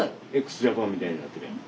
ＸＪＡＰＡＮみたいになってるやん。